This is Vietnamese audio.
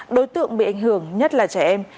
đối tượng bị ảnh hưởng nhất là trẻ em